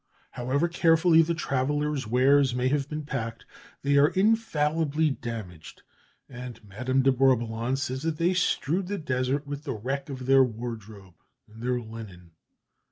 However carefully the traveller's wares may have been packed, they are infallibly damaged; and Madame de Bourboulon says that they strewed the desert with the wreck of their wardrobe and their linen.